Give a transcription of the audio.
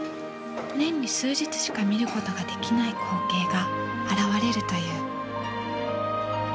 年に数日しか見ることができない光景が現れるという。